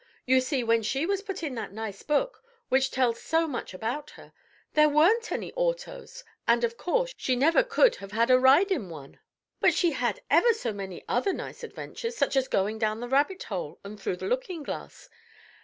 You see, when she was put in that nice book, which tells so much about her, there weren't any autos, and, of course, she never could have had a ride in one. "But she had ever so many other nice adventures, such as going down the rabbit hole and through the looking glass.